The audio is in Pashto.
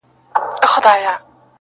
بې موجبه خوار کړېږې او زورېږي,